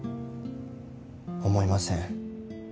思いません